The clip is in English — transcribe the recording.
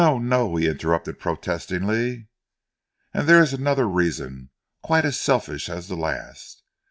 No!" he interrupted protestingly. "And there is another reason quite as selfish as the last.